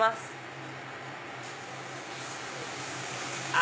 あ！